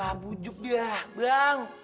mabujuk dah bang